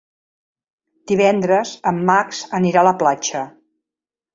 Divendres en Max anirà a la platja.